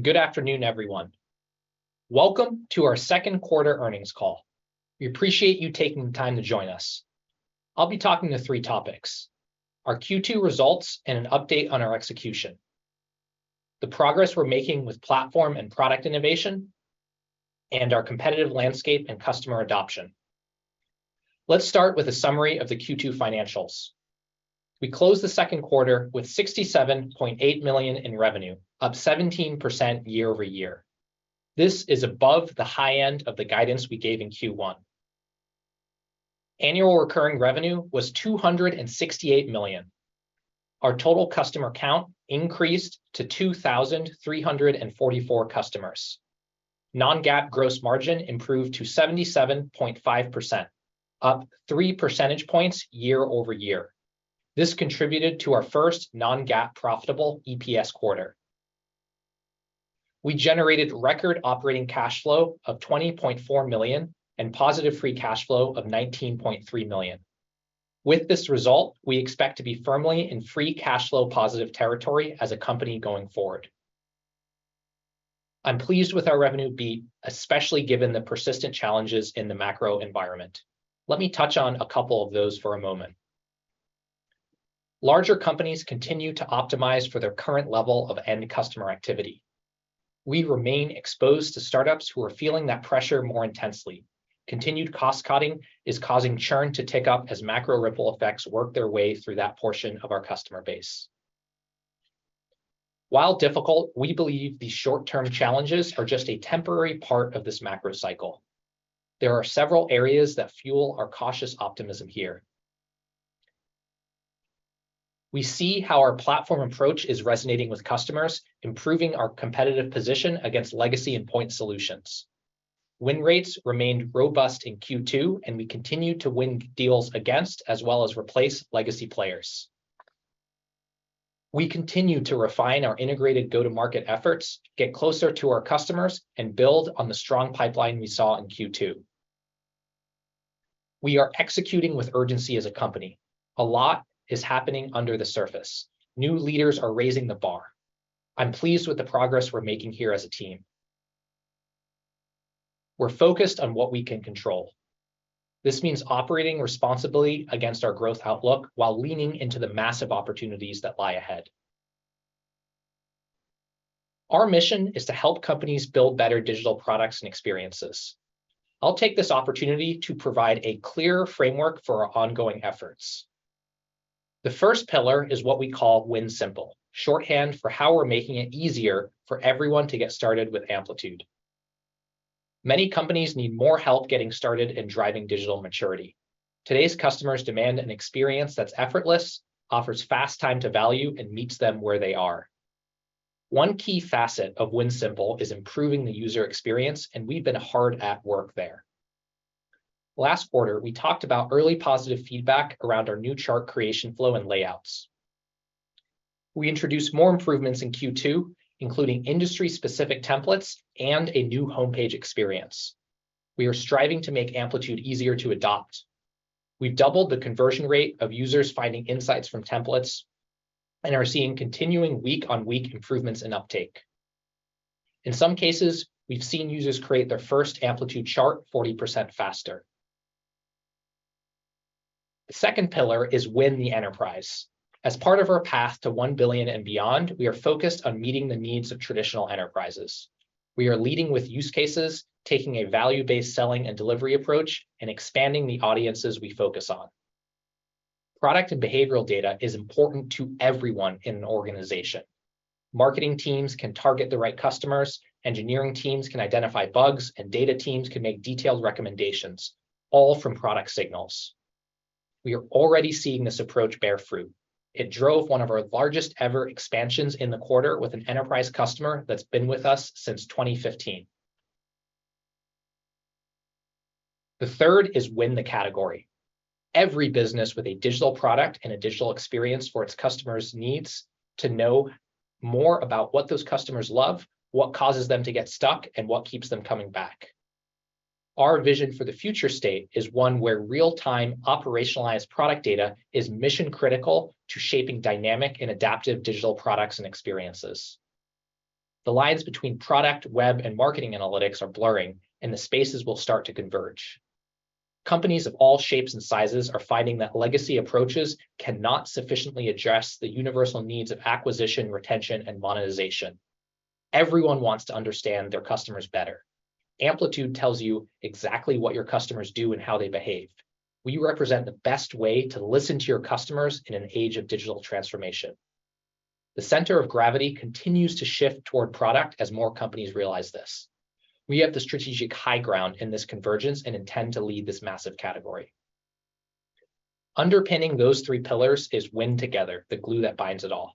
Good afternoon, everyone. Welcome to our second quarter earnings call. We appreciate you taking the time to join us. I'll be talking to three topics: our Q2 results and an update on our execution, the progress we're making with platform and product innovation, and our competitive landscape and customer adoption. Let's start with a summary of the Q2 financials. We closed the second quarter with $67.8 million in revenue, up 17% year-over-year. This is above the high end of the guidance we gave in Q1. Annual recurring revenue was $268 million. Our total customer count increased to 2,344 customers. Non-GAAP gross margin improved to 77.5%, up 3 percentage points year-over-year. This contributed to our first Non-GAAP profitable EPS quarter. We generated record operating cash flow of $20.4 million and positive free cash flow of $19.3 million. With this result, we expect to be firmly in free cash flow positive territory as a company going forward. I'm pleased with our revenue beat, especially given the persistent challenges in the macro environment. Let me touch on a couple of those for a moment. Larger companies continue to optimize for their current level of end customer activity. We remain exposed to startups who are feeling that pressure more intensely. Continued cost-cutting is causing churn to tick up as macro ripple effects work their way through that portion of our customer base. While difficult, we believe these short-term challenges are just a temporary part of this macro cycle. There are several areas that fuel our cautious optimism here. We see how our platform approach is resonating with customers, improving our competitive position against legacy and point solutions. Win rates remained robust in Q2. We continued to win deals against, as well as replace legacy players. We continue to refine our integrated go-to-market efforts, get closer to our customers, and build on the strong pipeline we saw in Q2. We are executing with urgency as a company. A lot is happening under the surface. New leaders are raising the bar. I'm pleased with the progress we're making here as a team. We're focused on what we can control. This means operating responsibly against our growth outlook while leaning into the massive opportunities that lie ahead. Our mission is to help companies build better digital products and experiences. I'll take this opportunity to provide a clear framework for our ongoing efforts. The first pillar is what we call Win Simple, shorthand for how we're making it easier for everyone to get started with Amplitude. Many companies need more help getting started in driving digital maturity. Today's customers demand an experience that's effortless, offers fast time to value, and meets them where they are. One key facet of Win Simple is improving the user experience, and we've been hard at work there. Last quarter, we talked about early positive feedback around our new chart creation flow and layouts. We introduced more improvements in Q2, including industry-specific templates and a new homepage experience. We are striving to make Amplitude easier to adopt. We've doubled the conversion rate of users finding insights from templates and are seeing continuing week-on-week improvements in uptake. In some cases, we've seen users create their first Amplitude chart 40% faster. The second pillar is Win the Enterprise. As part of our path to 1 billion and beyond, we are focused on meeting the needs of traditional enterprises. We are leading with use cases, taking a value-based selling and delivery approach, and expanding the audiences we focus on. Product and behavioral data is important to everyone in an organization. Marketing teams can target the right customers, engineering teams can identify bugs, and data teams can make detailed recommendations, all from product signals. We are already seeing this approach bear fruit. It drove one of our largest ever expansions in the quarter with an enterprise customer that's been with us since 2015. The third is Win the Category. Every business with a digital product and a digital experience for its customers needs to know more about what those customers love, what causes them to get stuck, and what keeps them coming back. Our vision for the future state is one where real-time, operationalized product data is mission-critical to shaping dynamic and adaptive digital products and experiences. The lines between product, web, and marketing analytics are blurring, and the spaces will start to converge. Companies of all shapes and sizes are finding that legacy approaches cannot sufficiently address the universal needs of acquisition, retention, and monetization. Everyone wants to understand their customers better. Amplitude tells you exactly what your customers do and how they behave. We represent the best way to listen to your customers in an age of digital transformation. The center of gravity continues to shift toward product as more companies realize this. We have the strategic high ground in this convergence and intend to lead this massive category. Underpinning those three pillars is Win Together, the glue that binds it all.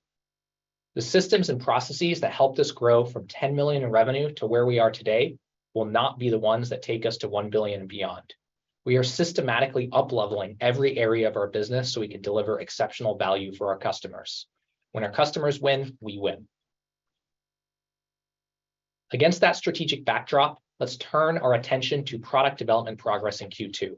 The systems and processes that helped us grow from $10 million in revenue to where we are today will not be the ones that take us to $1 billion and beyond. We are systematically upleveling every area of our business so we can deliver exceptional value for our customers. When our customers win, we win. Against that strategic backdrop, let's turn our attention to product development progress in Q2.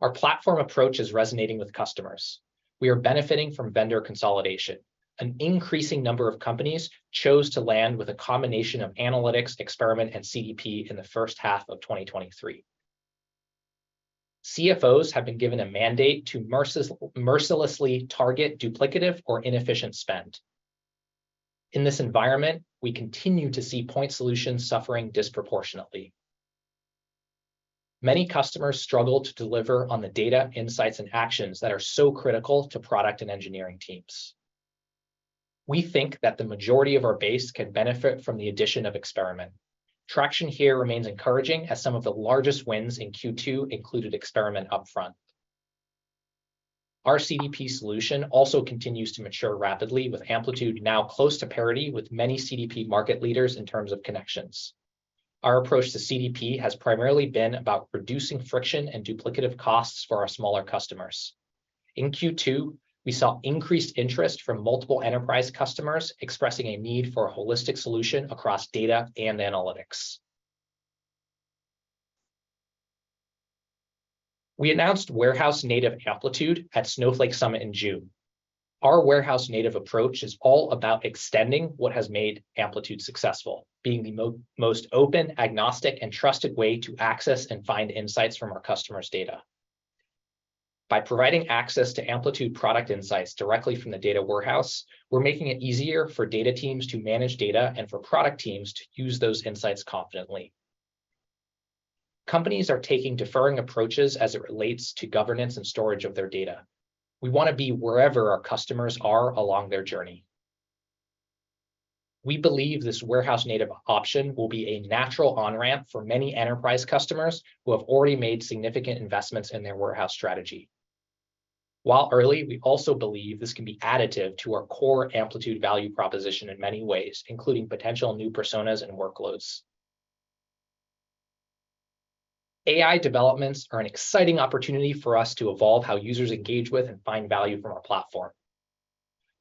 Our platform approach is resonating with customers. We are benefiting from vendor consolidation. An increasing number of companies chose to land with a combination of analytics, Experiment, and CDP in the first half of 2023. CFOs have been given a mandate to mercilessly target duplicative or inefficient spend. In this environment, we continue to see point solutions suffering disproportionately. Many customers struggle to deliver on the data, insights, and actions that are so critical to product and engineering teams. We think that the majority of our base can benefit from the addition of Experiment. Traction here remains encouraging, as some of the largest wins in Q2 included Experiment upfront. Our CDP solution also continues to mature rapidly, with Amplitude now close to parity with many CDP market leaders in terms of connections. Our approach to CDP has primarily been about reducing friction and duplicative costs for our smaller customers. In Q2, we saw increased interest from multiple enterprise customers expressing a need for a holistic solution across data and analytics. We announced Warehouse-native Amplitude at Snowflake Summit in June. Our Warehouse-native approach is all about extending what has made Amplitude successful, being the most open, agnostic, and trusted way to access and find insights from our customers' data. By providing access to Amplitude product insights directly from the data warehouse, we're making it easier for data teams to manage data and for product teams to use those insights confidently. Companies are taking differing approaches as it relates to governance and storage of their data. We want to be wherever our customers are along their journey. We believe this Warehouse Native option will be a natural on-ramp for many enterprise customers who have already made significant investments in their warehouse strategy. While early, we also believe this can be additive to our core Amplitude value proposition in many ways, including potential new personas and workloads. AI developments are an exciting opportunity for us to evolve how users engage with and find value from our platform.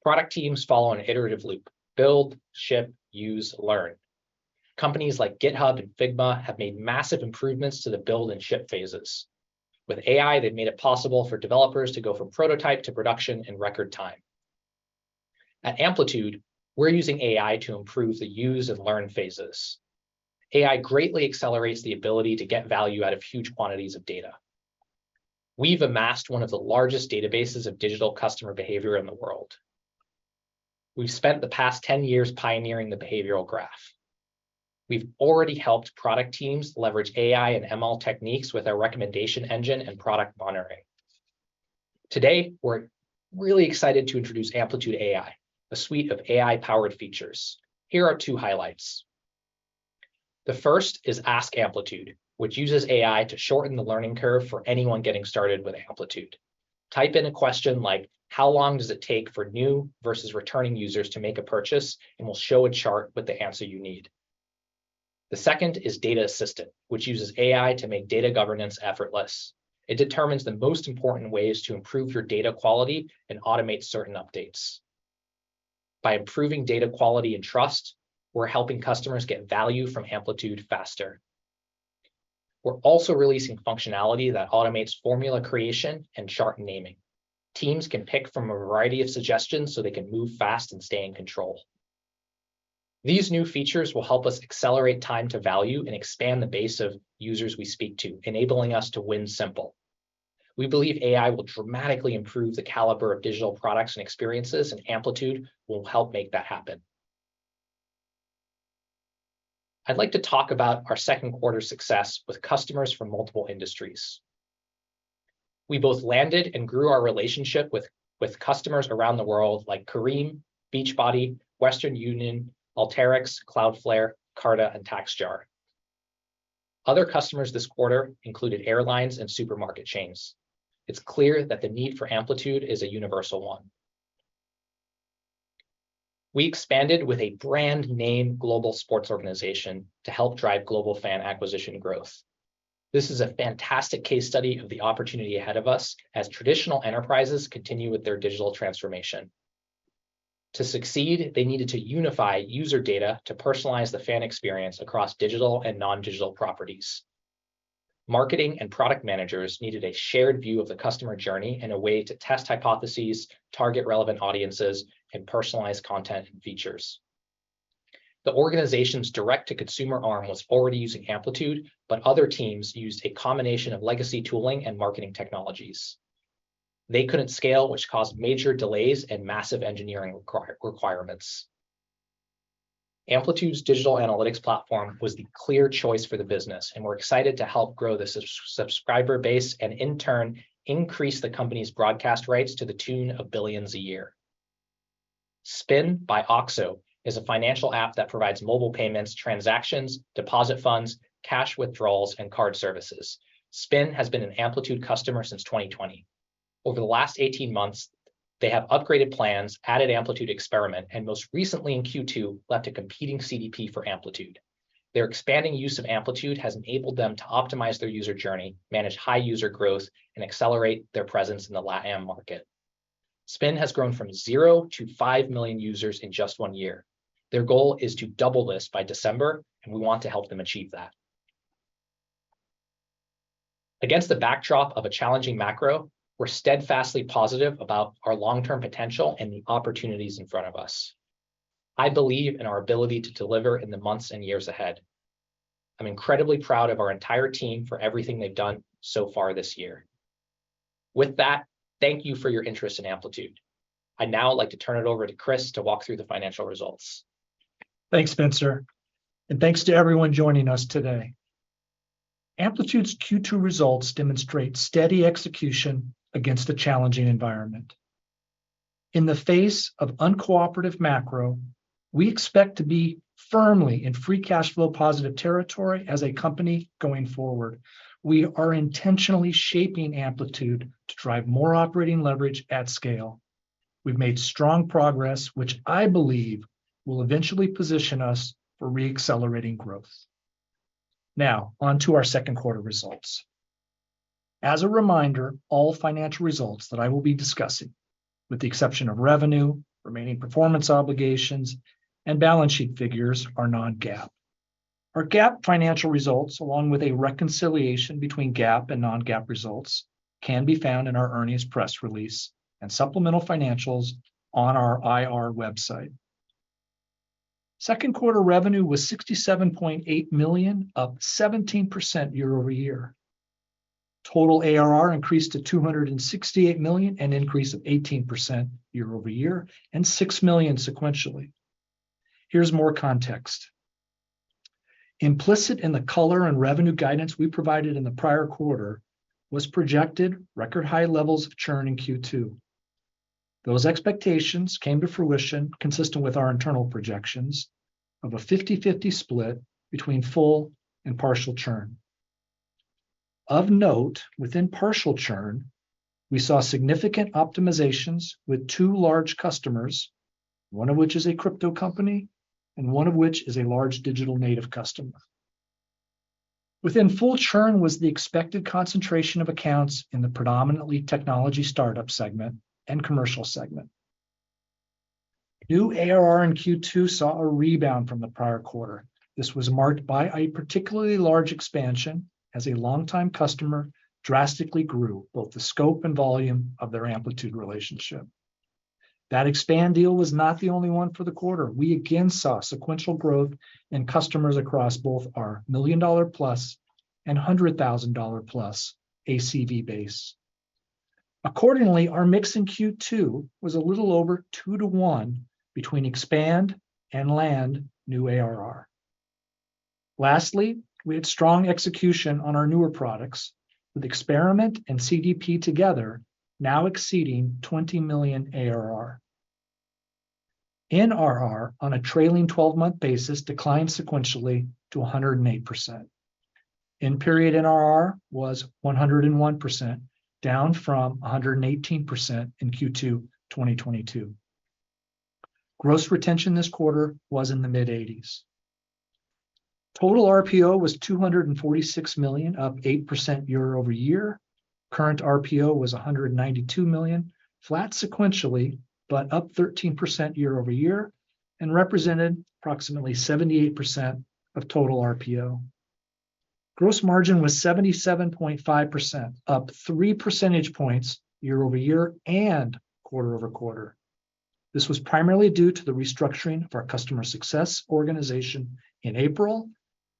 Product teams follow an iterative loop: build, ship, use, learn. Companies like GitHub and Figma have made massive improvements to the build and ship phases. With AI, they've made it possible for developers to go from prototype to production in record time. At Amplitude, we're using AI to improve the use and learn phases. AI greatly accelerates the ability to get value out of huge quantities of data. We've amassed one of the largest databases of digital customer behavior in the world. We've spent the past 10 years pioneering the Behavioral Graph. We've already helped product teams leverage AI and ML techniques with our recommendation engine and product monitoring. Today, we're really excited to introduce Amplitude AI, a suite of AI-powered features. Here are two highlights. The first is Ask Amplitude, which uses AI to shorten the learning curve for anyone getting started with Amplitude. Type in a question like, "How long does it take for new versus returning users to make a purchase?" We'll show a chart with the answer you need. The second is Data Assistant, which uses AI to make data governance effortless. It determines the most important ways to improve your data quality and automate certain updates. By improving data quality and trust, we're helping customers get value from Amplitude faster. We're also releasing functionality that automates formula creation and chart naming. Teams can pick from a variety of suggestions, so they can move fast and stay in control. These new features will help us accelerate time to value and expand the base of users we speak to, enabling us to Win Simple. We believe AI will dramatically improve the caliber of digital products and experiences, and Amplitude will help make that happen. I'd like to talk about our second quarter success with customers from multiple industries. We both landed and grew our relationship with customers around the world, like Careem, Beachbody, Western Union, Alteryx, Cloudflare, Carta, and TaxJar. Other customers this quarter included airlines and supermarket chains. It's clear that the need for Amplitude is a universal one. We expanded with a brand name global sports organization to help drive global fan acquisition growth. This is a fantastic case study of the opportunity ahead of us as traditional enterprises continue with their digital transformation. To succeed, they needed to unify user data to personalize the fan experience across digital and non-digital properties. Marketing and product managers needed a shared view of the customer journey and a way to test hypotheses, target relevant audiences, and personalize content and features. The organization's direct-to-consumer arm was already using Amplitude, but other teams used a combination of legacy tooling and marketing technologies. They couldn't scale, which caused major delays and massive engineering requirements. Amplitude's Digital Analytics platform was the clear choice for the business, and we're excited to help grow the subscriber base and, in turn, increase the company's broadcast rights to the tune of billions a year. Spin by OXXO is a financial app that provides mobile payments, transactions, deposit funds, cash withdrawals, and card services. Spin has been an Amplitude customer since 2020. Over the last 18 months, they have upgraded plans, added Amplitude Experiment, and most recently, in Q2, left a competing CDP for Amplitude. Their expanding use of Amplitude has enabled them to optimize their user journey, manage high user growth, and accelerate their presence in the LATAM market. Spin has grown from 0 to 5 million users in just 1 year. Their goal is to double this by December. We want to help them achieve that. Against the backdrop of a challenging macro, we're steadfastly positive about our long-term potential and the opportunities in front of us. I believe in our ability to deliver in the months and years ahead. I'm incredibly proud of our entire team for everything they've done so far this year. With that, thank you for your interest in Amplitude. I'd now like to turn it over to Chris to walk through the financial results. Thanks, Spenser, thanks to everyone joining us today. Amplitude's Q2 results demonstrate steady execution against a challenging environment. In the face of uncooperative macro, we expect to be firmly in free cash flow positive territory as a company going forward. We are intentionally shaping Amplitude to drive more operating leverage at scale. We've made strong progress, which I believe will eventually position us for re-accelerating growth. Now, on to our second quarter results. As a reminder, all financial results that I will be discussing, with the exception of revenue, remaining performance obligations, and balance sheet figures, are non-GAAP. Our GAAP financial results, along with a reconciliation between GAAP and non-GAAP results, can be found in our earnings press release and supplemental financials on our IR website. Second quarter revenue was $67.8 million, up 17% year-over-year. Total ARR increased to $268 million, an increase of 18% year-over-year, and $6 million sequentially. Here's more context. Implicit in the color and revenue guidance we provided in the prior quarter was projected record high levels of churn in Q2. Those expectations came to fruition consistent with our internal projections of a 50/50 split between full and partial churn. Of note, within partial churn, we saw significant optimizations with two large customers, one of which is a crypto company and one of which is a large digital-native customer. Within full churn was the expected concentration of accounts in the predominantly technology startup segment and commercial segment. New ARR in Q2 saw a rebound from the prior quarter. This was marked by a particularly large expansion as a longtime customer drastically grew both the scope and volume of their Amplitude relationship. That expand deal was not the only one for the quarter. We again saw sequential growth in customers across both our $1 million+ and $100,000+ ACV base. Accordingly, our mix in Q2 was a little over 2 to 1 between expand and land new ARR. Lastly, we had strong execution on our newer products, with Experiment and CDP together now exceeding $20 million ARR. NRR on a trailing 12 month basis declined sequentially to 108%. In period, NRR was 101%, down from 118% in Q2 2022. Gross retention this quarter was in the mid-80s. Total RPO was $246 million, up 8% year-over-year. Current RPO was $192 million, flat sequentially, but up 13% year-over-year and represented approximately 78% of total RPO. Gross margin was 77.5%, up 3 percentage points year-over-year and quarter-over-quarter. This was primarily due to the restructuring of our customer success organization in April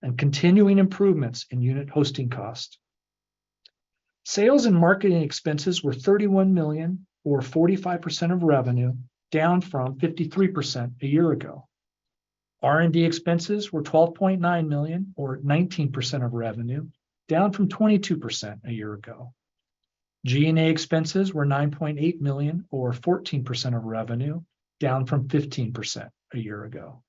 and continuing improvements in unit hosting cost. Sales and marketing expenses were $31 million, or 45% of revenue, down from 53% a year ago. R&D expenses were $12.9 million, or 19% of revenue, down from 22% a year ago. G&A expenses were $9.8 million, or 14% of revenue, down from 15% a year ago.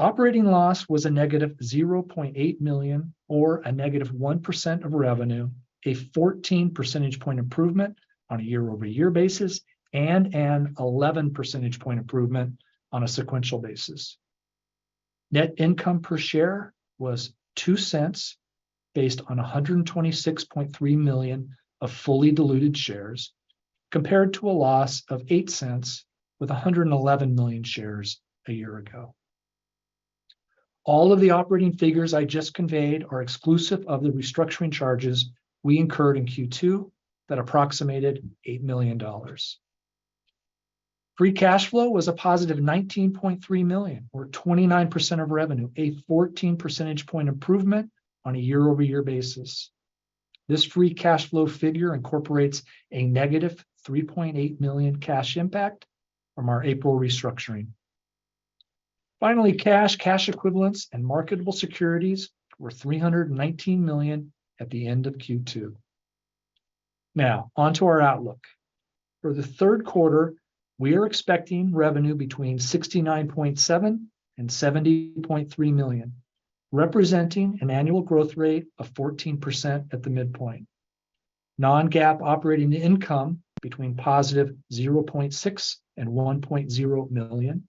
Operating loss was -$0.8 million, or a -1% of revenue, a 14 percentage point improvement on a year-over-year basis and an 11 percentage point improvement on a sequential basis. Net income per share was $0.02, based on 126.3 million of fully diluted shares, compared to a loss of $0.08 with 111 million shares a year ago. All of the operating figures I just conveyed are exclusive of the restructuring charges we incurred in Q2 that approximated $8 million. Free cash flow was a +$19.3 million, or 29% of revenue, a 14 percentage point improvement on a year-over-year basis. This free cash flow figure incorporates a -$3.8 million cash impact from our April restructuring. Cash, cash equivalents, and marketable securities were $319 million at the end of Q2. Now, on to our outlook. For the third quarter, we are expecting revenue between $69.7 million-$70.3 million, representing an annual growth rate of 14% at the midpoint. Non-GAAP operating income between +$0.6 million-$1.0 million.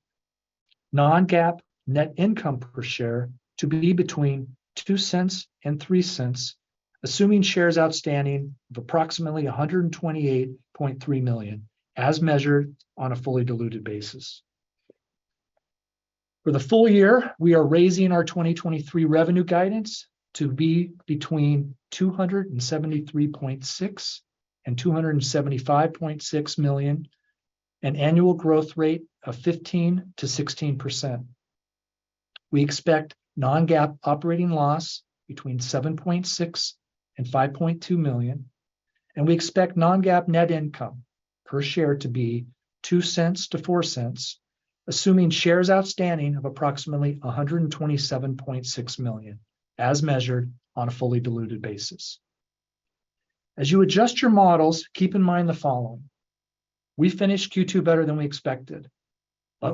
Non-GAAP net income per share to be between $0.02-$0.03, assuming shares outstanding of approximately 128.3 million, as measured on a fully diluted basis. For the full year, we are raising our 2023 revenue guidance to be between $273.6 million-$275.6 million, an annual growth rate of 15%-16%. We expect non-GAAP operating loss between $7.6 million and $5.2 million. We expect non-GAAP net income per share to be $0.02 to $0.04, assuming shares outstanding of approximately $127.6 million, as measured on a fully diluted basis. As you adjust your models, keep in mind the following: We finished Q2 better than we expected.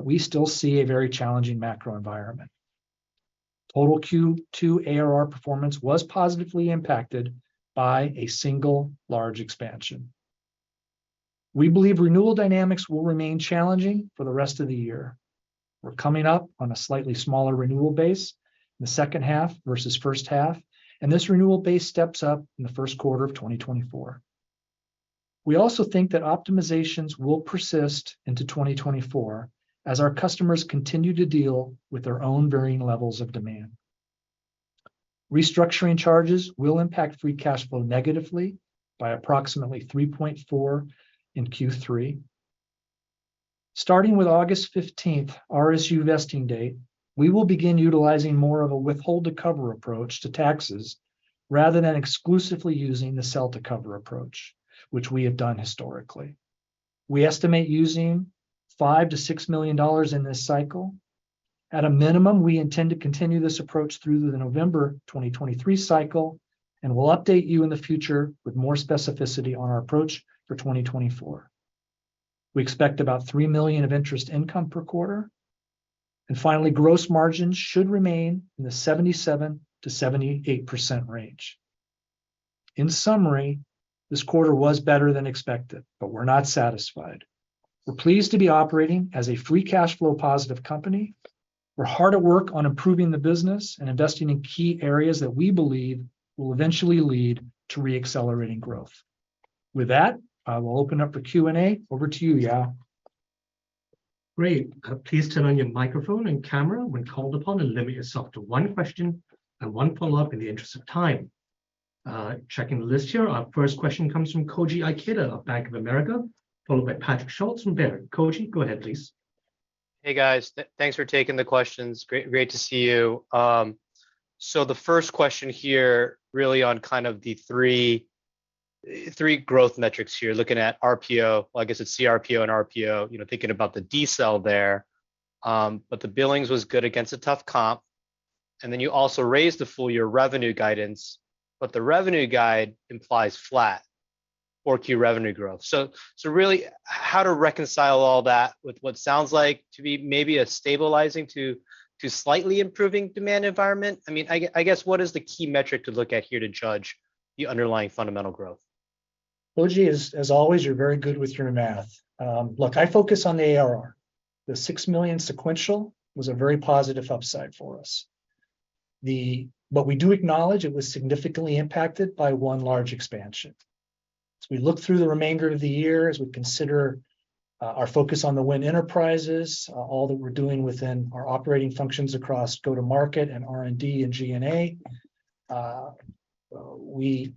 We still see a very challenging macro environment. Total Q2 ARR performance was positively impacted by a single large expansion. We believe renewal dynamics will remain challenging for the rest of the year. We're coming up on a slightly smaller renewal base in the second half versus first half. This renewal base steps up in the first quarter of 2024. We also think that optimizations will persist into 2024 as our customers continue to deal with their own varying levels of demand. Restructuring charges will impact free cash flow negatively by approximately $3.4 million in Q3. Starting with August 15th, RSU vesting date, we will begin utilizing more of a withhold-to-cover approach to taxes, rather than exclusively using the sell-to-cover approach, which we have done historically. We estimate using $5 million-$6 million in this cycle. At a minimum, we intend to continue this approach through the November 2023 cycle, we'll update you in the future with more specificity on our approach for 2024. We expect about $3 million of interest income per quarter. Finally, gross margins should remain in the 77%-78% range. In summary, this quarter was better than expected, but we're not satisfied. We're pleased to be operating as a free cash flow positive company. We're hard at work on improving the business and investing in key areas that we believe will eventually lead to re-accelerating growth. With that, I will open up for Q&A. Over to you, Yao. Great. Please turn on your microphone and camera when called upon, and limit yourself to one question and one follow-up in the interest of time. Checking the list here, our first question comes from Koji Ikeda of Bank of America, followed by Patrick Schulz from Baird. Koji, go ahead, please. Hey, guys. Thanks for taking the questions. Great, great to see you. The first question here, really on kind of the three, three growth metrics here, looking at RPO, I guess it's CRPO and RPO, you know, thinking about the decel there, the billings was good against a tough comp. You also raised the full year revenue guidance, but the revenue guide implies flat or key revenue growth. Really, how to reconcile all that with what sounds like to be maybe a stabilizing to, to slightly improving demand environment? I mean, I guess, what is the key metric to look at here to judge the underlying fundamental growth? Koji, as always, you're very good with your math. Look, I focus on the ARR. The $6 million sequential was a very positive upside for us. We do acknowledge it was significantly impacted by one large expansion. We look through the remainder of the year as we consider our focus on the Win enterprises, all that we're doing within our operating functions across go-to-market and R&D and G&A. We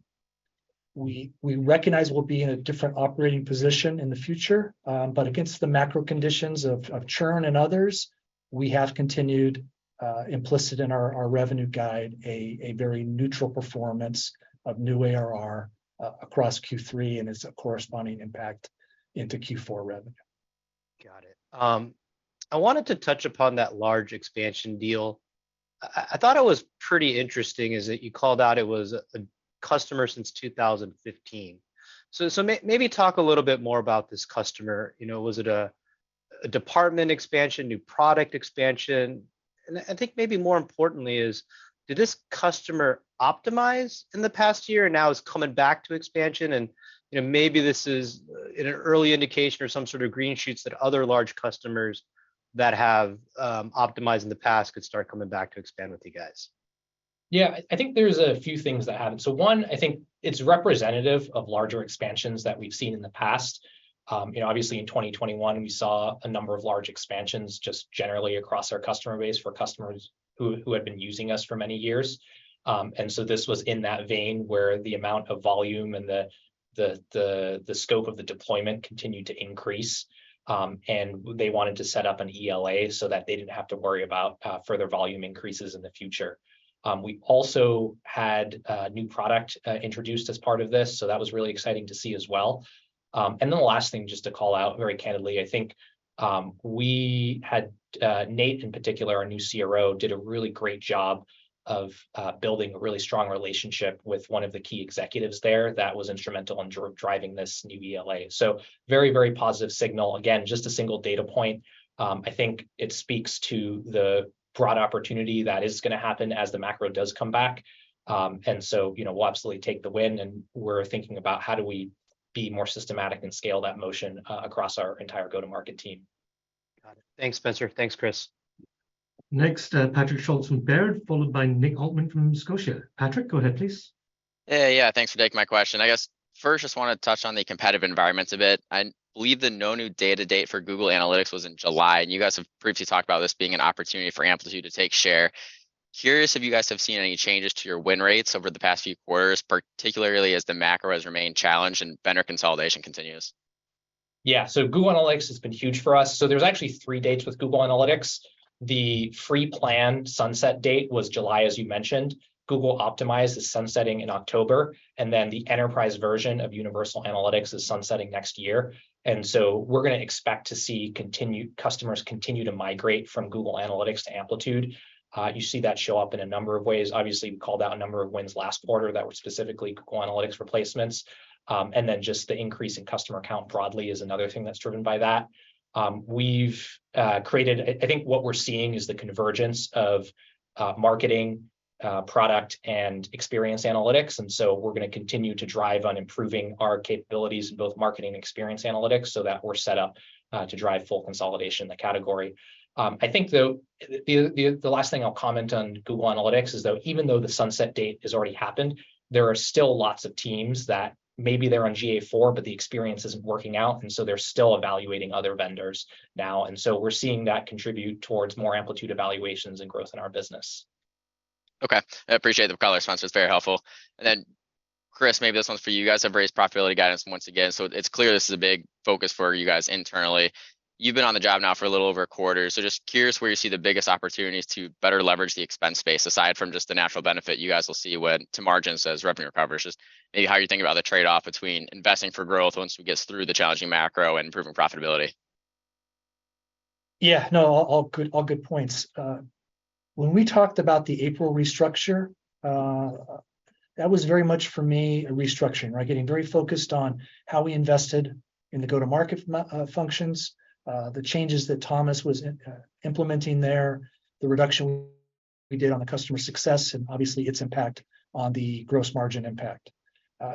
recognize we'll be in a different operating position in the future, but against the macro conditions of churn and others, we have continued, implicit in our revenue guide, a very neutral performance of new ARR across Q3 and its corresponding impact into Q4 revenue. Got it. I wanted to touch upon that large expansion deal. I thought it was pretty interesting is that you called out it was a customer since 2015. Maybe talk a little bit more about this customer. You know, was it a, a department expansion, new product expansion? I think maybe more importantly is, did this customer optimize in the past year and now is coming back to expansion, and, you know, maybe this is an early indication or some sort of green shoots that other large customers that have optimized in the past could start coming back to expand with you guys? Yeah, I, I think there's a few things that happened. One, I think it's representative of larger expansions that we've seen in the past. You know, obviously in 2021, we saw a number of large expansions just generally across our customer base for customers who, who had been using us for many years. And so this was in that vein where the amount of volume and the, the, the, the scope of the deployment continued to increase, and they wanted to set up an ELA so that they didn't have to worry about further volume increases in the future. We also had a new product introduced as part of this, so that was really exciting to see as well. The last thing, just to call out very candidly, I think, we had Nate in particular, our new CRO, did a really great job of building a really strong relationship with one of the key executives there that was instrumental in driving this new ELA. Very, very positive signal. Again, just a single data point. I think it speaks to the broad opportunity that is gonna happen as the macro does come back. You know, we'll absolutely take the win, and we're thinking about how do we be more systematic and scale that motion across our entire go-to-market team? Thanks, Spenser. Thanks, Chris. Next, Patrick Schulz from Baird, followed by Nick Altmann from Scotiabank. Patrick, go ahead, please. Hey, yeah, thanks for taking my question. I guess, first, just wanna touch on the competitive environment a bit. I believe the no new data date for Google Analytics was in July, and you guys have previously talked about this being an opportunity for Amplitude to take share. Curious if you guys have seen any changes to your win rates over the past few quarters, particularly as the macro has remained challenged and vendor consolidation continues? Yeah, Google Analytics has been huge for us. There's actually 3 dates with Google Analytics. The free plan sunset date was July, as you mentioned. Google Optimize is sunsetting in October, and then the enterprise version of Universal Analytics is sunsetting next year. We're gonna expect to see continued- customers continue to migrate from Google Analytics to Amplitude. You see that show up in a number of ways. Obviously, we called out a number of wins last quarter that were specifically Google Analytics replacements. Just the increase in customer count broadly is another thing that's driven by that. We've created... I, I think what we're seeing is the convergence of marketing, product, and experience analytics. We're gonna continue to drive on improving our capabilities in both marketing and experience analytics so that we're set up to drive full consolidation in the category. I think, though, the last thing I'll comment on Google Analytics is, though, even though the sunset date has already happened, there are still lots of teams that maybe they're on GA4, but the experience isn't working out, and so they're still evaluating other vendors now. We're seeing that contribute towards more Amplitude evaluations and growth in our business. Okay. I appreciate the color, Spenser, it's very helpful. Chris, maybe this one's for you guys. You have raised profitability guidance once again, so it's clear this is a big focus for you guys internally. You've been on the job now for a little over a quarter, so just curious where you see the biggest opportunities to better leverage the expense base, aside from just the natural benefit you guys will see when to margins as revenue recovers. Just maybe how you think about the trade-off between investing for growth once we get through the challenging macro and improving profitability? Yeah, no, all, all good, all good points. When we talked about the April restructure, that was very much for me, a restructuring, right? Getting very focused on how we invested in the go-to-market functions, the changes that Thomas was implementing there, the reduction we did on the customer success, and obviously, its impact on the gross margin impact.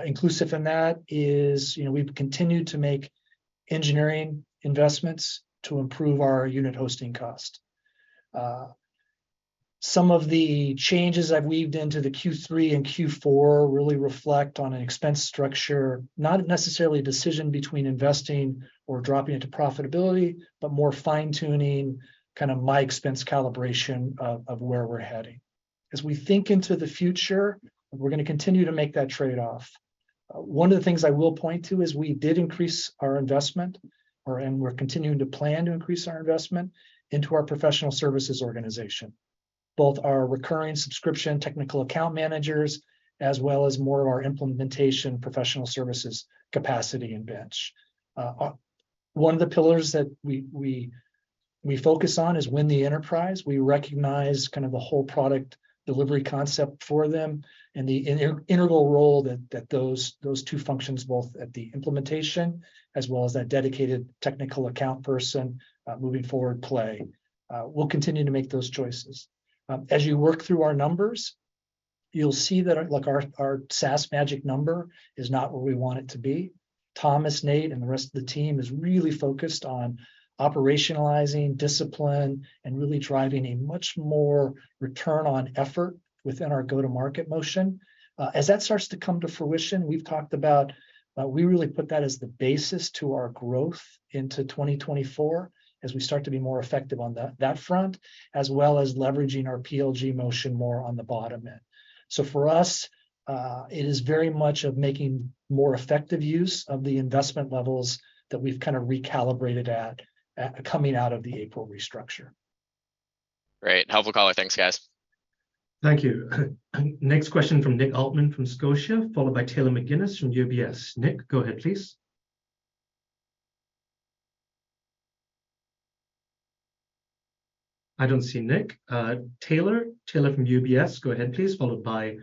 Inclusive in that is, you know, we've continued to make engineering investments to improve our unit hosting cost. Some of the changes I've weaved into the Q3 and Q4 really reflect on an expense structure, not necessarily a decision between investing or dropping into profitability, but more fine-tuning, kind of my expense calibration of, of where we're heading. As we think into the future, we're gonna continue to make that trade-off. One of the things I will point to is we did increase our investment, and we're continuing to plan to increase our investment into our professional services organization. Both our recurring subscription technical account managers, as well as more of our implementation professional services capacity and bench. One of the pillars that we focus on is Win the Enterprise. We recognize kind of the whole product delivery concept for them and the integral role that those two functions, both at the implementation as well as that dedicated technical account person, moving forward play. We'll continue to make those choices. As you work through our numbers, you'll see that, like, our SaaS Magic Number is not where we want it to be. Thomas, Nate, and the rest of the team is really focused on operationalizing discipline and really driving a much more return on effort within our go-to-market motion. As that starts to come to fruition, we've talked about, we really put that as the basis to our growth into 2024, as we start to be more effective on that, that front, as well as leveraging our PLG motion more on the bottom end. For us, it is very much of making more effective use of the investment levels that we've kind of recalibrated at, coming out of the April restructure. Great. Helpful call. Thanks, guys. Thank you. Next question from Nick Altmann from Scotiabank, followed by Taylor McGinnis from UBS. Nick, go ahead, please. I don't see Nick. Taylor, Taylor from UBS, go ahead, please, followed by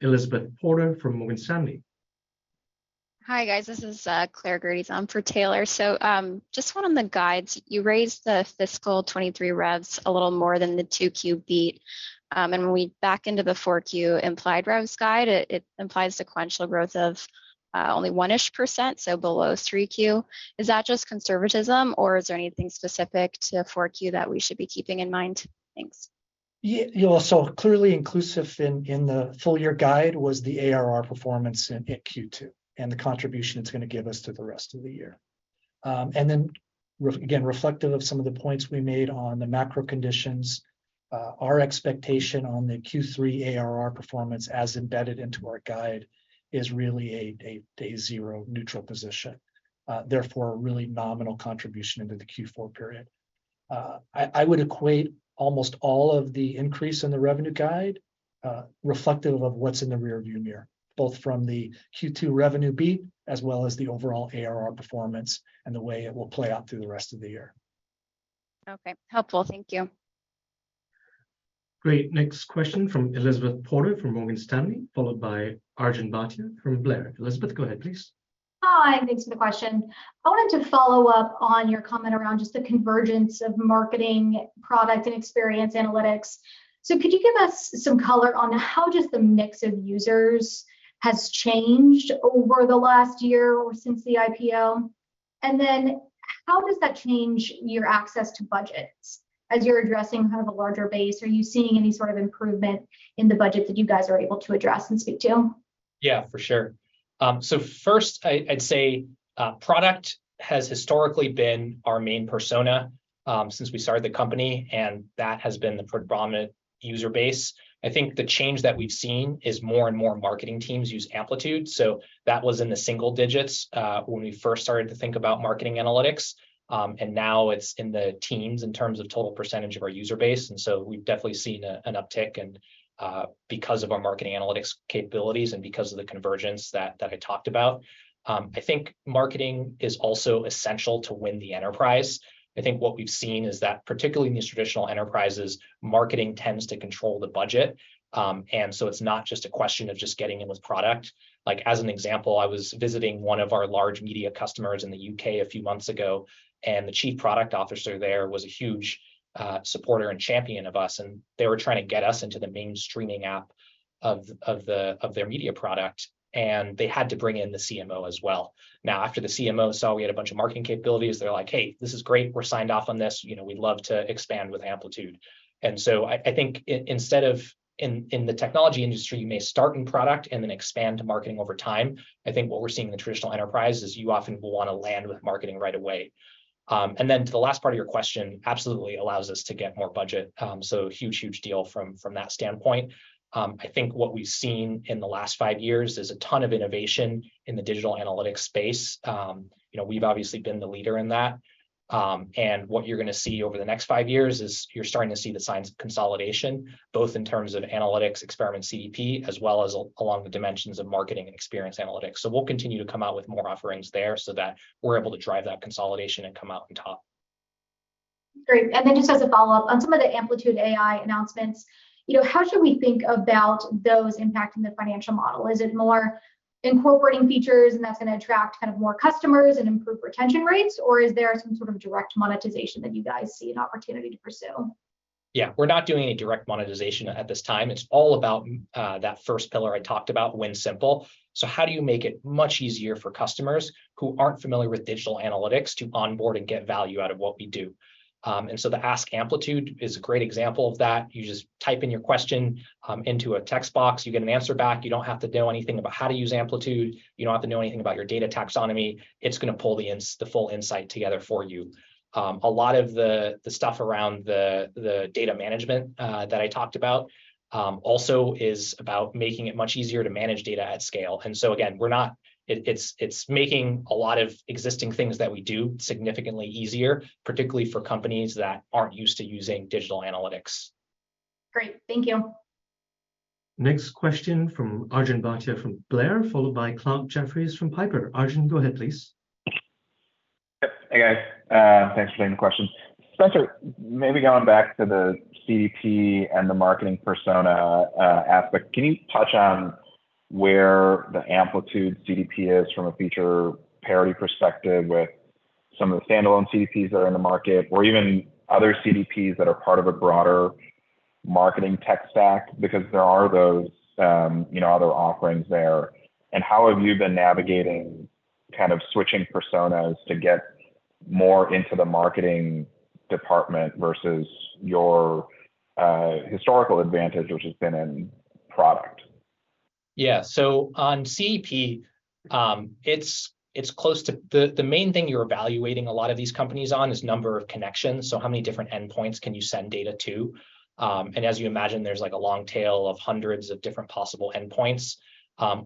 Elizabeth Porter from Morgan Stanley. Hi, guys, this is Clare Gerdes. I'm for Taylor. Just one on the guides. You raised the fiscal 2023 revs a little more than the 2Q beat. When we back into the 4Q implied revs guide, it implies sequential growth of only 1-ish%, so below 3Q. Is that just conservatism, or is there anything specific to 4Q that we should be keeping in mind? Thanks. Yeah, yeah, clearly inclusive in, in the full year guide was the ARR performance in, in Q2, and the contribution it's gonna give us to the rest of the year. Then again, reflective of some of the points we made on the macro conditions, our expectation on the Q3 ARR performance, as embedded into our guide, is really a zero neutral position. Therefore, a really nominal contribution into the Q4 period. I, I would equate almost all of the increase in the revenue guide, reflective of what's in the rearview mirror, both from the Q2 revenue beat, as well as the overall ARR performance and the way it will play out through the rest of the year. Okay, helpful. Thank you. Great. Next question from Elizabeth Porter from Morgan Stanley, followed by Arjun Bhatia from William Blair. Elizabeth, go ahead, please. Hi, thanks for the question. I wanted to follow up on your comment around just the convergence of marketing, product, and experience analytics. Could you give us some color on how just the mix of users has changed over the last year or since the IPO? How does that change your access to budgets? As you're addressing kind of a larger base, are you seeing any sort of improvement in the budget that you guys are able to address and speak to? Yeah, for sure. First, I, I'd say, product has historically been our main persona, since we started the company, and that has been the predominant user base. I think the change that we've seen is more and more marketing teams use Amplitude. That was in the single digits, when we first started to think about marketing analytics, and now it's in the teens in terms of total percentage of our user base, and so we've definitely seen a, an uptick, and, because of our marketing analytics capabilities and because of the convergence that, that I talked about. I think marketing is also essential to Win the Enterprise. I think what we've seen is that, particularly in these traditional enterprises, marketing tends to control the budget, and so it's not just a question of just getting in with product. Like, as an example, I was visiting one of our large media customers in the U.K. a few months ago. The chief product officer there was a huge supporter and champion of us. They were trying to get us into the main streaming app of, of the, of their media product. They had to bring in the CMO as well. Now, after the CMO saw we had a bunch of marketing capabilities, they're like, "Hey, this is great. We're signed off on this. You know, we'd love to expand with Amplitude." So I, I think instead of in, in the technology industry, you may start in product and then expand to marketing over time, I think what we're seeing in the traditional enterprise is you often will want to land with marketing right away. To the last part of your question, absolutely allows us to get more budget, so huge, huge deal from, from that standpoint. I think what we've seen in the last 5 years is a ton of innovation in the digital analytics space. You know, we've obviously been the leader in that. What you're gonna see over the next 5 years is you're starting to see the signs of consolidation, both in terms of analytics, experiment, CDP, as well as along the dimensions of marketing and experience analytics. We'll continue to come out with more offerings there so that we're able to drive that consolidation and come out on top. Great. Then just as a follow-up, on some of the Amplitude AI announcements, you know, how should we think about those impacting the financial model? Is it more incorporating features, and that's gonna attract kind of more customers and improve retention rates, or is there some sort of direct monetization that you guys see an opportunity to pursue? Yeah, we're not doing any direct monetization at this time. It's all about that first pillar I talked about, Win Simple. How do you make it much easier for customers who aren't familiar with Digital Analytics to onboard and get value out of what we do? The Ask Amplitude is a great example of that. You just type in your question into a text box. You get an answer back. You don't have to know anything about how to use Amplitude. You don't have to know anything about your data taxonomy. It's gonna pull the full insight together for you. A lot of the, the stuff around the, the data management that I talked about also is about making it much easier to manage data at scale. Again, we're not... It's making a lot of existing things that we do significantly easier, particularly for companies that aren't used to using digital analytics. Great. Thank you. Next question from Arjun Bhatia, from William Blair, followed by Clarke Jeffries from Piper. Arjun, go ahead, please. Yep. Hey, guys. Thanks for taking the question. Spenser, maybe going back to the CDP and the marketing persona aspect, can you touch on where the Amplitude CDP is from a feature parity perspective with some of the standalone CDPs that are in the market, or even other CDPs that are part of a broader marketing tech stack? Because there are those, you know, other offerings there? How have you been navigating, kind of switching personas to get more into the marketing department versus your historical advantage, which has been in product? Yeah. On CDP, it's, it's close to... The, the main thing you're evaluating a lot of these companies on is number of connections, so how many different endpoints can you send data to? As you imagine, there's, like, a long tail of hundreds of different possible endpoints.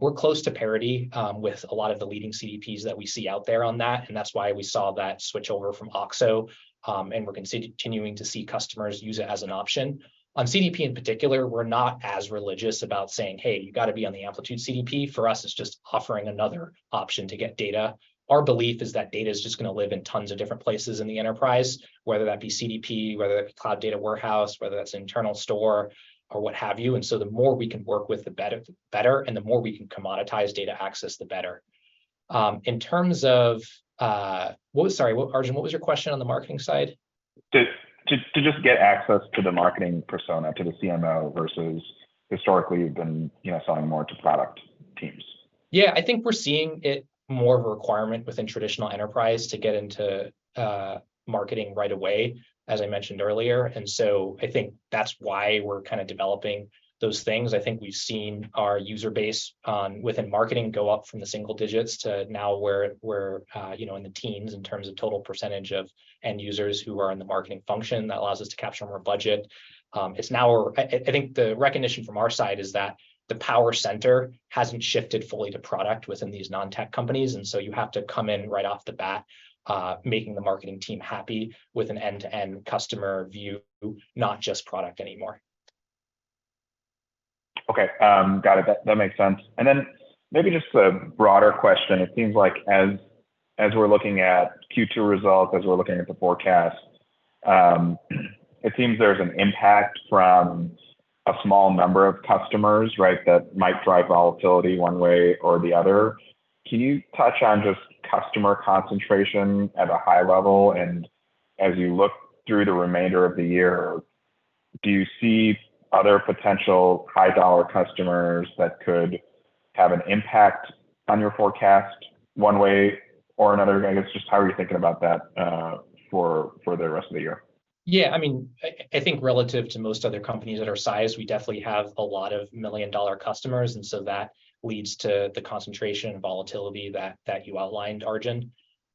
We're close to parity, with a lot of the leading CDPs that we see out there on that, and that's why we saw that switchover from OXXO, and we're continuing to see customers use it as an option. On CDP, in particular, we're not as religious about saying: "Hey, you gotta be on the Amplitude CDP." For us, it's just offering another option to get data. Our belief is that data is just gonna live in tons of different places in the enterprise, whether that be CDP, whether that be Cloud Data warehouse, whether that's internal store or what have you. The more we can work with, the better, better, the more we can commoditize data access, the better. What, sorry, well, Arjun, what was your question on the marketing side? To just get access to the marketing persona, to the CMO, versus historically, you've been, you know, selling more to product teams? Yeah, I think we're seeing it more of a requirement within traditional enterprise to get into marketing right away, as I mentioned earlier. I think that's why we're kind of developing those things. I think we've seen our user base within marketing go up from the single digits to now we're, we're, you know, in the teens in terms of total percentage of end users who are in the marketing function. That allows us to capture more budget. It's now, I think the recognition from our side is that the power center hasn't shifted fully to product within these non-tech companies. You have to come in right off the bat, making the marketing team happy with an end-to-end customer view, not just product anymore. Okay, got it. That, that makes sense. Then maybe just a broader question: It seems like as, as we're looking at Q2 results, as we're looking at the forecast, it seems there's an impact from a small number of customers, right, that might drive volatility one way or the other. Can you touch on just customer concentration at a high level, and as you look through the remainder of the year? Do you see other potential high-dollar customers that could have an impact on your forecast one way or another? I guess just how are you thinking about that for, for the rest of the year? Yeah, I mean, I, I think relative to most other companies that are our size, we definitely have a lot of $1 million customers, and so that leads to the concentration and volatility that, that you outlined, Arjun.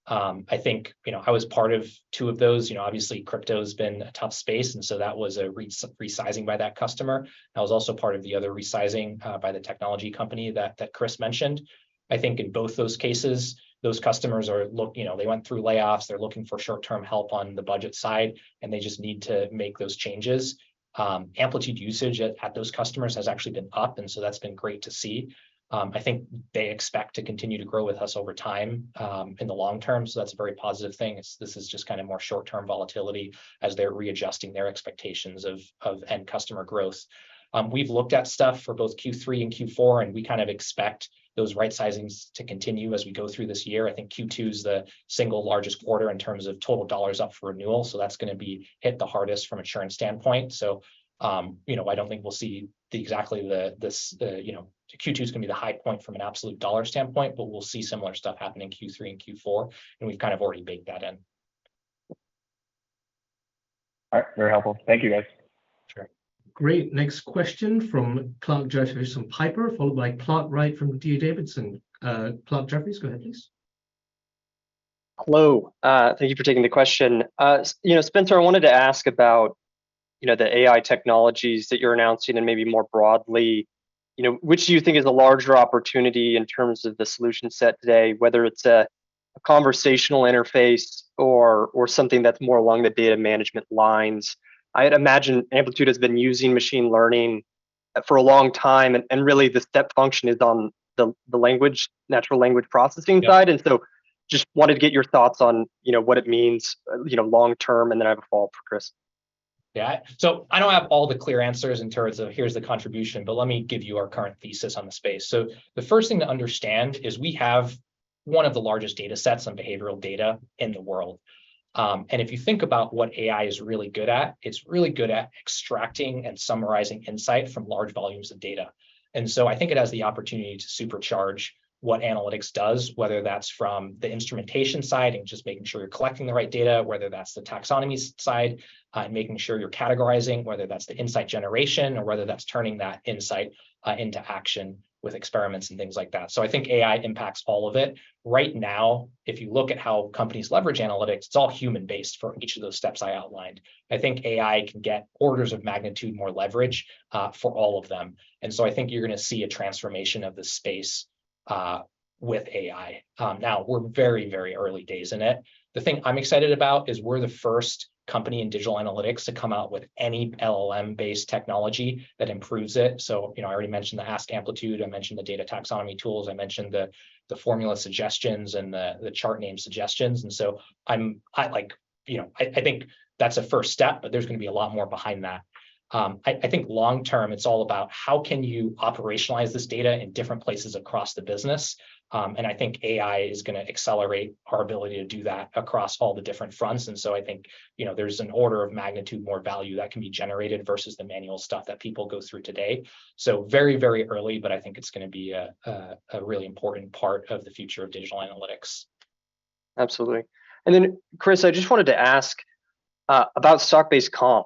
I think, you know, I was part of two of those. You know, obviously, crypto's been a tough space, and so that was a resizing by that customer. I was also part of the other resizing by the technology company that, that Chris mentioned. I think in both those cases, those customers are, you know, they went through layoffs, they're looking for short-term help on the budget side, and they just need to make those changes. Amplitude usage at, at those customers has actually been up, and so that's been great to see. I think they expect to continue to grow with us over time, in the long term, so that's a very positive thing. This is just kind of more short-term volatility as they're readjusting their expectations of end customer growth. We've looked at stuff for both Q3 and Q4, and we kind of expect those right-sizings to continue as we go through this year. I think Q2's the single largest quarter in terms of total dollars up for renewal, so that's gonna be hit the hardest from a insurance standpoint. I don't think we'll see exactly the, the, you know, Q2's gonna be the high point from an absolute dollar standpoint, but we'll see similar stuff happen in Q3 and Q4, and we've kind of already baked that in. All right. Very helpful. Thank you, guys. Sure. Great. Next question from Clarke Jeffries from Piper Sandler, followed by Clark Wright from D.A. Davidson. Clarke Jeffries, go ahead, please. Hello, thank you for taking the question. You know, Spenser, I wanted to ask about, you know, the AI technologies that you're announcing, and maybe more broadly, you know, which do you think is the larger opportunity in terms of the solution set today, whether it's a conversational interface or something that's more along the data management lines? I'd imagine Amplitude has been using machine learning for a long time, and really the step function is on the language, natural language processing side. Yeah. So just wanted to get your thoughts on, you know, what it means, you know, long term, and then I have a follow-up for Chris. Yeah. I don't have all the clear answers in terms of here's the contribution, but let me give you our current thesis on the space. The first thing to understand is we have one of the largest data sets on behavioral data in the world. If you think about what AI is really good at, it's really good at extracting and summarizing insight from large volumes of data. I think it has the opportunity to supercharge what analytics does, whether that's from the instrumentation side and just making sure you're collecting the right data, whether that's the taxonomy side, and just making sure you're categorizing, whether that's the insight generation, or whether that's turning that insight into action with experiments and things like that. I think AI impacts all of it. Right now, if you look at how companies leverage analytics, it's all human-based for each of those steps I outlined. I think AI can get orders of magnitude more leverage for all of them. I think you're gonna see a transformation of the space with AI. Now, we're very, very early days in it. The thing I'm excited about is we're the first company in Digital Analytics to come out with any LLM-based technology that improves it. You know, I already mentioned the Ask Amplitude, I mentioned the data taxonomy tools, I mentioned the, the formula suggestions and the, the chart name suggestions. I, like, you know... I, I think that's a first step, but there's gonna be a lot more behind that. I, I think long term, it's all about how can you operationalize this data in different places across the business? I think AI is gonna accelerate our ability to do that across all the different fronts. I think, you know, there's an order of magnitude more value that can be generated versus the manual stuff that people go through today. Very, very early, but I think it's gonna be a, a, a really important part of the future of Digital Analytics. Absolutely. Chris, I just wanted to ask about stock-based comp.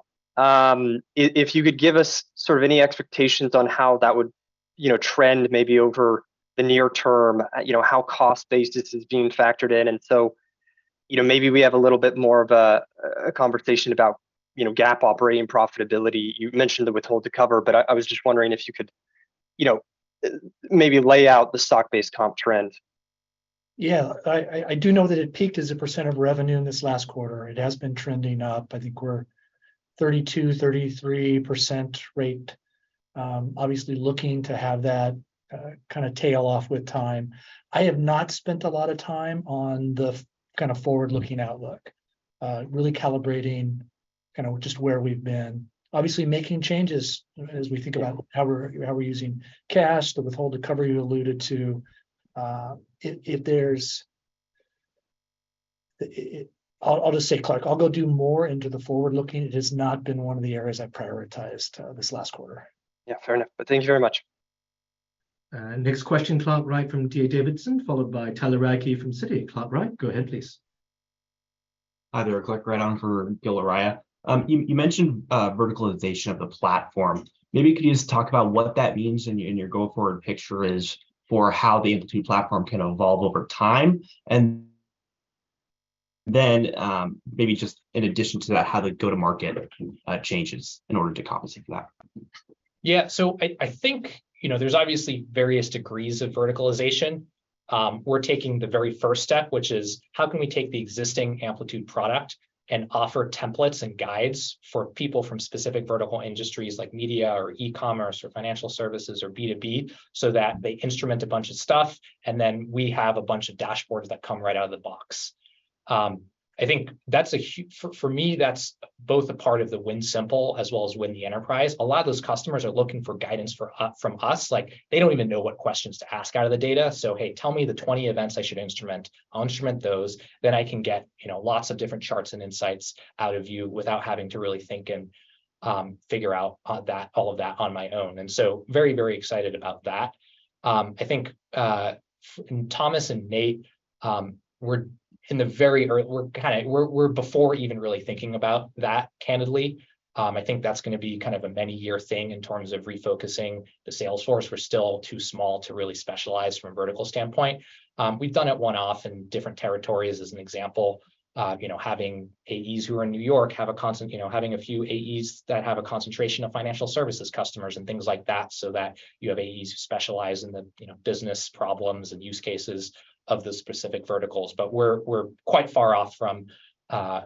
If you could give us sort of any expectations on how that would, you know, trend maybe over the near term, you know, how cost basis is being factored in. You know, maybe we have a little bit more of a, a conversation about, you know, GAAP operating profitability. You mentioned the withhold to cover, I was just wondering if you could, you know, maybe lay out the stock-based comp trend? Yeah. I, I, I do know that it peaked as a percent of revenue in this last quarter. It has been trending up. I think we're 32%-33% rate. obviously looking to have that kind of tail off with time. I have not spent a lot of time on the kind of forward-looking outlook, really calibrating kind of just where we've been. Obviously, making changes as we think about how we're, how we're using cash, the withhold-to-cover you alluded to. If there's, I'll, I'll just say, Clark, I'll go do more into the forward-looking. It has not been one of the areas I prioritized this last quarter. Yeah, fair enough. Thank you very much. Next question, Clark Wright from D.A. Davidson, followed by Tyler Radke from Citi. Clark Wright, go ahead, please. Hi there, Clark Wright on for Gil Luria. You, you mentioned verticalization of the platform. Maybe you could just talk about what that means in your, in your go-forward picture is for how the Amplitude platform can evolve over time. Then, maybe just in addition to that, how the go-to-market changes in order to compensate for that? Yeah, I, I think, you know, there's obviously various degrees of verticalization. We're taking the very first step, which is: how can we take the existing Amplitude product and offer templates and guides for people from specific vertical industries like media or e-commerce or financial services or B2B, so that they instrument a bunch of stuff, and then we have a bunch of dashboards that come right out of the box? I think that's for, for me, that's both a part of the Win Simple as well as Win the Enterprise. A lot of those customers are looking for guidance for us, from us. Like, they don't even know what questions to ask out of the data. Hey, tell me the 20 events I should instrument. I'll instrument those, then I can get, you know, lots of different charts and insights out of you without having to really think and figure out that, all of that on my own. So very, very excited about that. I think Thomas and Nate, we're in the very we're we're before even really thinking about that, candidly. I think that's gonna be kind of a many-year thing in terms of refocusing the sales force. We're still too small to really specialize from a vertical standpoint. We've done it one-off in different territories, as an example. You know, having AEs who are in New York have a constant... You know, having a few AEs that have a concentration of financial services customers, and things like that, so that you have AEs who specialize in the, you know, business problems and use cases of the specific verticals. We're, we're quite far off from,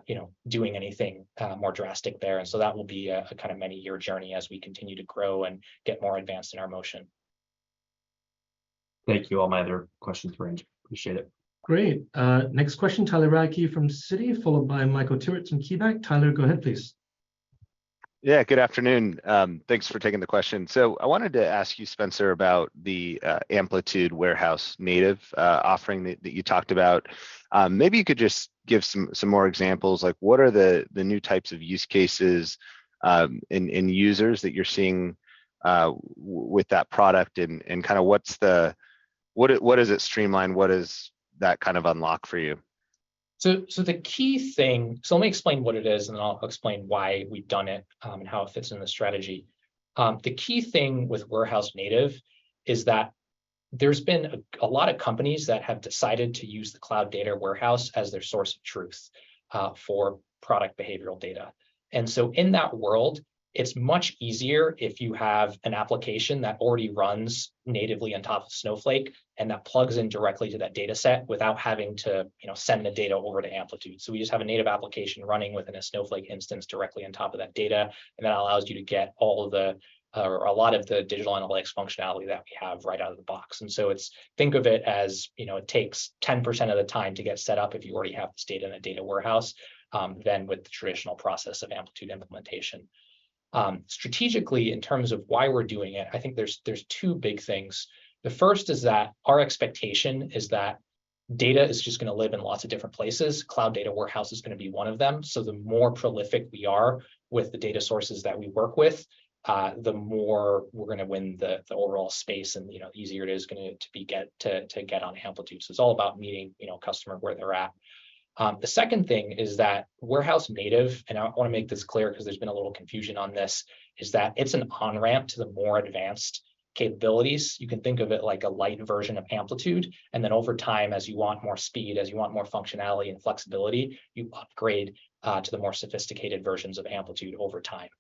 you know, doing anything more drastic there. So that will be a kind of many-year journey as we continue to grow and get more advanced in our motion. Thank you. All my other questions were answered. Appreciate it. Great. Next question, Tyler Radke from Citi, followed by Michael Turits from KeyBanc. Tyler, go ahead, please. Yeah, good afternoon. Thanks for taking the question. I wanted to ask you, Spenser, about the Amplitude Warehouse Native offering that you talked about. Maybe you could just give some more examples. Like, what are the new types of use cases and users that you're seeing with that product, and kind of what's the... What does, what does it streamline? What does that kind of unlock for you? The key thing. Let me explain what it is, and then I'll explain why we've done it, and how it fits in the strategy. The key thing with Warehouse Native is that there's been a lot of companies that have decided to use the cloud data warehouse as their source of truth for product behavioral data. In that world, it's much easier if you have an application that already runs natively on top of Snowflake, and that plugs in directly to that data set without having to, you know, send the data over to Amplitude. We just have a native application running within a Snowflake instance directly on top of that data, and that allows you to get all of the, or a lot of the digital analytics functionality that we have right out of the box. So think of it as, you know, it takes 10% of the time to get set up if you already have this data in a data warehouse, than with the traditional process of Amplitude implementation. Strategically, in terms of why we're doing it, I think there's, there's two big things. The first is that our expectation is that data is just gonna live in lots of different places. Cloud data warehouse is gonna be one of them. The more prolific we are with the data sources that we work with, the more we're gonna win the overall space, and, you know, the easier it is going to be get, to get on Amplitude. It's all about meeting, you know, a customer where they're at. The second thing is that Warehouse Native, and I want to make this clear, because there's been a little confusion on this, is that it's an on-ramp to the more advanced capabilities. You can think of it like a light version of Amplitude, and then over time, as you want more speed, as you want more functionality and flexibility, you upgrade to the more sophisticated versions of Amplitude over time.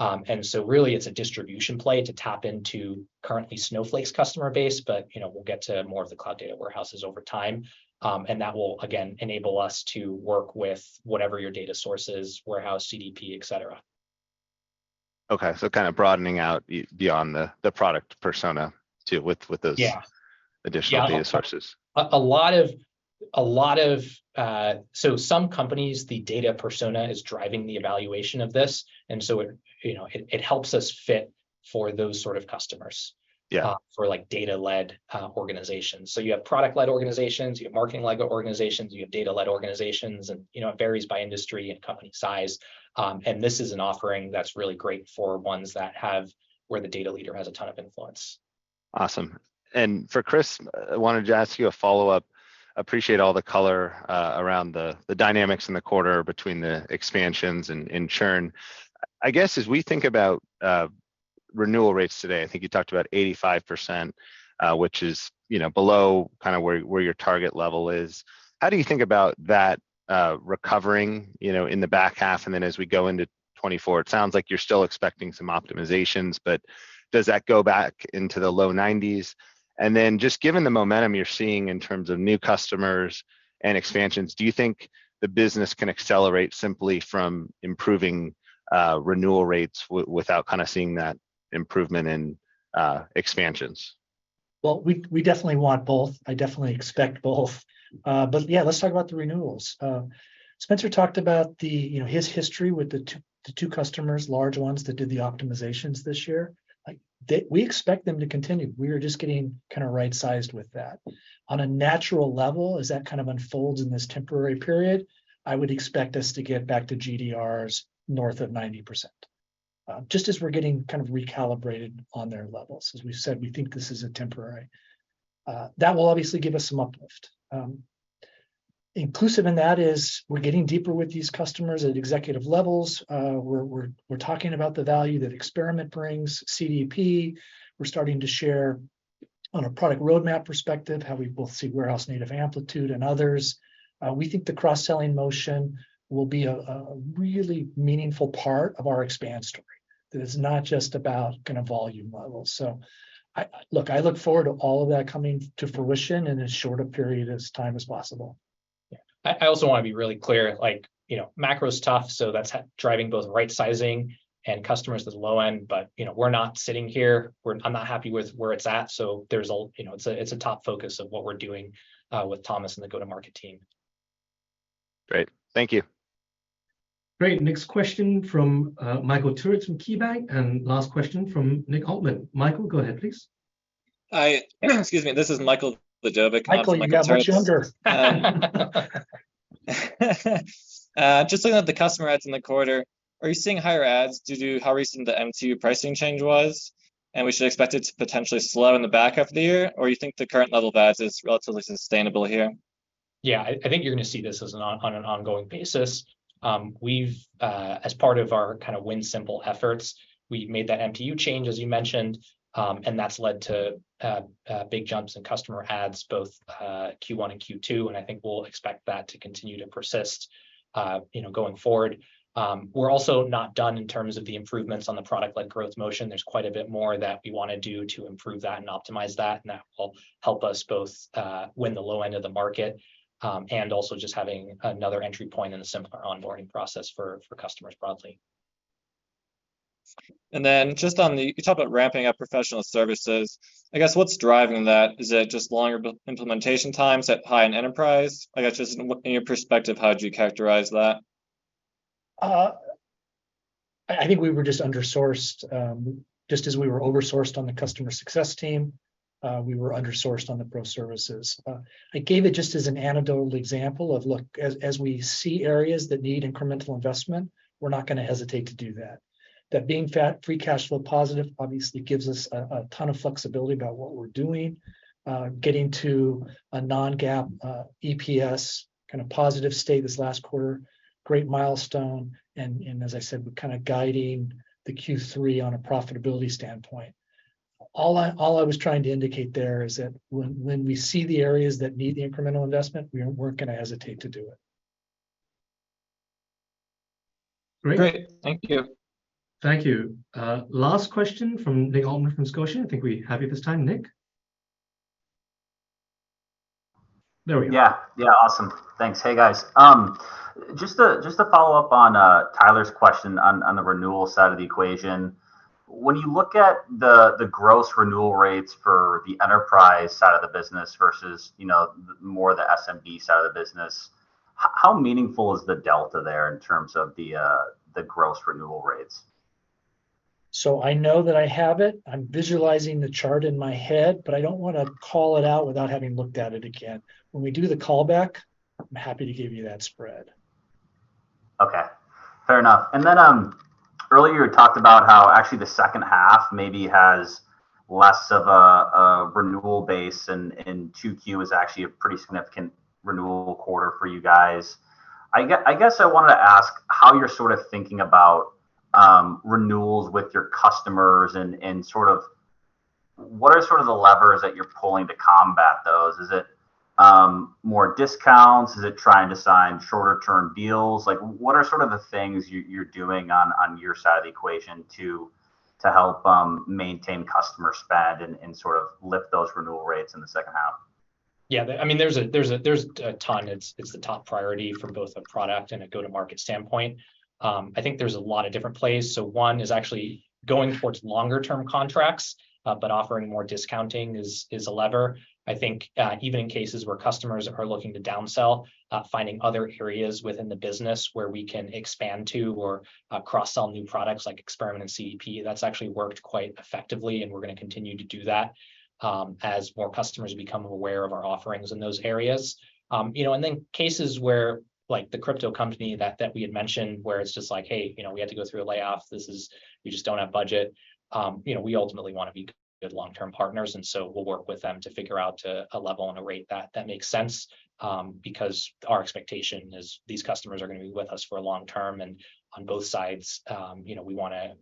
Really, it's a distribution play to tap into currently Snowflake's customer base, but, you know, we'll get to more of the cloud data warehouses over time. That will, again, enable us to work with whatever your data source is, warehouse, CDP, et cetera. Okay, kind of broadening out beyond the, the product persona to, with those-. Yeah Additional data sources. Yeah. A lot of, a lot of. Some companies, the data persona is driving the evaluation of this, it, you know, it helps us fit for those sort of customers for, like, data-led organizations. You have product-led organizations, you have marketing-led organizations, you have data-led organizations, you know, it varies by industry and company size. This is an offering that's really great for ones that have where the data leader has a ton of influence. Awesome. For Chris, I wanted to ask you a follow-up. Appreciate all the color around the dynamics in the quarter between the expansions and churn. I guess, as we think about renewal rates today, I think you talked about 85%, which is, you know, below kinda where your target level is. How do you think about that recovering, you know, in the back half, and then as we go into 2024? It sounds like you're still expecting some optimizations, but does that go back into the low 90s? Then, just given the momentum you're seeing in terms of new customers and expansions, do you think the business can accelerate simply from improving renewal rates without kinda seeing that improvement in expansions? Well, we, we definitely want both. I definitely expect both. Yeah, let's talk about the renewals. Spenser talked about the, you know, his history with the two, the two customers, large ones, that did the optimizations this year. Like, they, we expect them to continue. We are just getting kinda right-sized with that. On a natural level, as that kind of unfolds in this temporary period, I would expect us to get back to GDRs north of 90%. Just as we're getting kind of recalibrated on their levels. As we've said, we think this is a temporary. That will obviously give us some uplift. Inclusive in that is we're getting deeper with these customers at executive levels. We're, we're, we're talking about the value that Experiment brings, CDP. We're starting to share on a product roadmap perspective, how we both see Warehouse-native Amplitude and others. We think the cross-selling motion will be a really meaningful part of our expand story, that it's not just about kinda volume levels. Look, I look forward to all of that coming to fruition in as short a period of time as possible. Yeah. I, I also wanna be really clear, like, you know, macro is tough, so that's driving both right-sizing and customers to the low end, but, you know, we're not sitting here, I'm not happy with where it's at, so there's a, you know, it's a, it's a top focus of what we're doing with Thomas and the go-to-market team. Great. Thank you. Great, next question from Michael Turits from KeyBanc, and last question from Nick Altmann. Michael, go ahead, please. I, excuse me, this is Michael Vidovic. Michael, you got much younger! Just looking at the customer adds in the quarter, are you seeing higher adds due to how recent the MTU pricing change was? We should expect it to potentially slow in the back half of the year, or you think the current level of adds is relatively sustainable here? Yeah, I, I think you're gonna see this as an on, on an ongoing basis. We've as part of our kind of Win Simple efforts, we've made that MTU change, as you mentioned, and that's led to big jumps in customer adds both Q1 and Q2, and I think we'll expect that to continue to persist, you know, going forward. We're also not done in terms of the improvements on the product-led growth motion. There's quite a bit more that we wanna do to improve that and optimize that, and that will help us both win the low end of the market, and also just having another entry point in a simpler onboarding process for, for customers broadly. Then just on the... You talked about ramping up professional services. I guess, what's driving that? Is it just longer implementation times at high-end enterprise? I guess, just in, in your perspective, how would you characterize that? I think we were just under-sourced, just as we were over-sourced on the customer success team, we were under-sourced on the pro services. I gave it just as an anecdotal example of, look, as we see areas that need incremental investment, we're not gonna hesitate to do that. That being fat- free cash flow positive obviously gives us a ton of flexibility about what we're doing, getting to a non-GAAP EPS kind of positive state this last quarter, great milestone, and as I said, we're kind of guiding the Q3 on a profitability standpoint. All I was trying to indicate there is that when we see the areas that need the incremental investment, we're gonna hesitate to do it. Great. Thank you. Thank you. Last question from Nick Altmann from Scotiabank. I think we have you this time, Nick? There we are. Yeah, yeah, awesome. Thanks. Hey, guys. Just to, just to follow up on Tyler's question on the renewal side of the equation, when you look at the, the gross renewal rates for the enterprise side of the business versus, you know, the more the SMB side of the business, how meaningful is the delta there in terms of the gross renewal rates? I know that I have it, I'm visualizing the chart in my head, but I don't wanna call it out without having looked at it again. When we do the call back, I'm happy to give you that spread. Okay, fair enough. Then, earlier, you talked about how actually the second half maybe has less of a, a renewal base, and 2Q is actually a pretty significant renewal quarter for you guys. I guess I wanted to ask how you're sort of thinking about renewals with your customers, and sort of what are sort of the levers that you're pulling to combat those? Is it more discounts? Is it trying to sign shorter-term deals? Like what are sort of the things you're doing on your side of the equation to help maintain customer spend and sort of lift those renewal rates in the second half? Yeah, I mean, there's a, there's a, there's a ton. It's, it's the top priority from both a product and a go-to-market standpoint. I think there's a lot of different plays. One is actually going towards longer term contracts, but offering more discounting is, is a lever. I think, even in cases where customers are looking to downsell, finding other areas within the business where we can expand to or, cross-sell new products like Experiment and CDP, that's actually worked quite effectively, and we're gonna continue to do that, as more customers become aware of our offerings in those areas. you know, and then cases where, like the crypto company that, that we had mentioned, where it's just like, "Hey, you know, we had to go through a layoff. This is... We just don't have budget. You know, we ultimately wanna be good long-term partners, so we'll work with them to figure out a level and a rate that, that makes sense, because our expectation is these customers are gonna be with us for long term, and on both sides, you know, we wanna,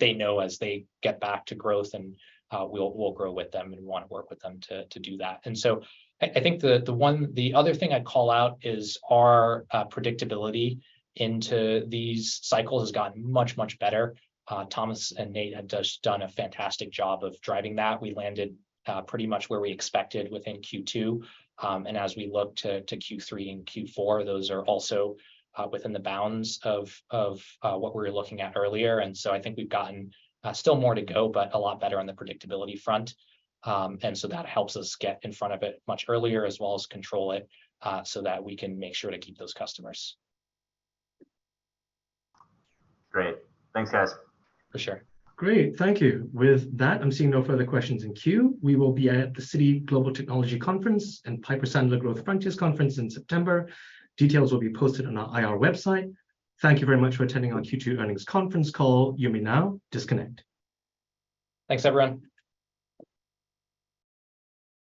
they know as they get back to growth, and we'll, we'll grow with them and we wanna work with them to, to do that. So I think the other thing I'd call out is our predictability into these cycles has gotten much, much better. Thomas and Nate have just done a fantastic job of driving that. We landed pretty much where we expected within Q2. As we look to, to Q3 and Q4, those are also within the bounds of, of what we were looking at earlier, and so I think we've gotten still more to go, but a lot better on the predictability front. So that helps us get in front of it much earlier, as well as control it, so that we can make sure to keep those customers. Great. Thanks, guys. For sure. Great, thank you. With that, I'm seeing no further questions in queue. We will be at the Citi Global Technology Conference and Piper Sandler Growth Frontiers Conference in September. Details will be posted on our IR website. Thank you very much for attending our Q2 earnings conference call. You may now disconnect. Thanks, everyone.